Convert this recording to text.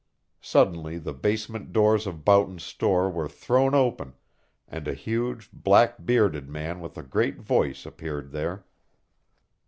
Suddenly the basement doors of Boughton's store were thrown open and a huge, black bearded man with a great voice appeared there.